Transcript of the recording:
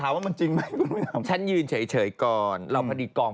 ถามว่ามันจริงไม่ถามฉันยืนเฉยเฉยก่อนเราพอดีกอง